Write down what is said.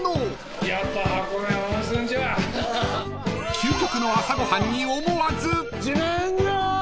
［究極の朝ご飯に思わず］